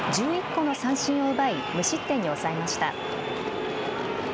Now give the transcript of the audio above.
１１個の三振を奪い、無失点に抑えました。